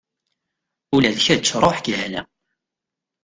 Ula d kečč ruḥ deg lehna.